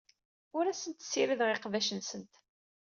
Ur asent-ssirideɣ iqbac-nsent.